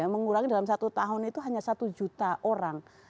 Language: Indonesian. mengurangi dalam satu tahun itu hanya satu juta orang